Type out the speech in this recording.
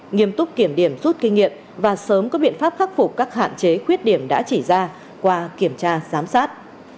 nghiêm túc kiểm điểm rút kinh nghiệm và sớm có biện pháp khắc phục các hạn chế khuyết điểm đã chỉ ra qua kiểm tra giám sát